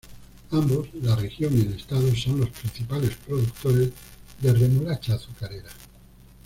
Ambos, la región y el estado, son los principales productores de remolacha azucarera.